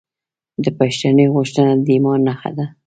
د بښنې غوښتنه د ایمان نښه ده.